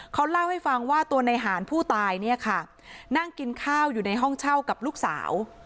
เขาเล่าให้ฟังว่าตัวในหารผู้ตายเนี่ยค่ะนั่งกินข้าวอยู่ในห้องเช่ากับลูกสาว